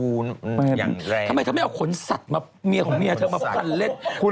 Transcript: ซื้อสิเธอต้องเอาของแม่เธอมาใส่เล่น